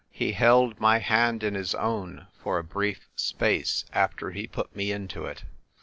He held my hand in his own for a brief space after he put me into it.